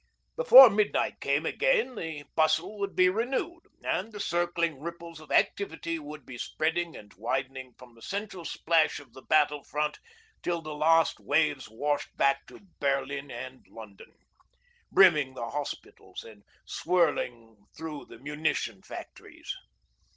Before midnight came again the bustle would be renewed, and the circling ripples of activity would be spreading and widening from the central splash of the battle front till the last waves washed back to Berlin and London, brimming the hospitals and swirling through the munition factories.